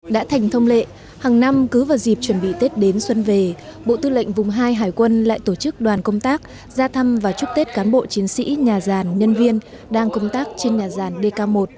đã thành thông lệ hàng năm cứ vào dịp chuẩn bị tết đến xuân về bộ tư lệnh vùng hai hải quân lại tổ chức đoàn công tác ra thăm và chúc tết cán bộ chiến sĩ nhà giàn nhân viên đang công tác trên nhà giàn dk một